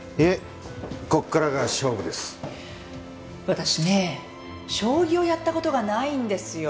「私ね将棋をやった事がないんですよ」